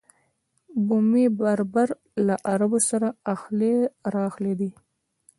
بومي بربر له عربو سره اخښلي راخښلي دي.